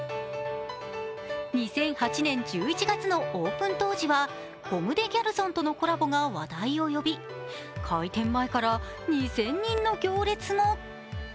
２００８年１１月のオープ当時はコム・デ・ギャルソンとのコラボが話題を呼び、開店前から２０００人の行列が。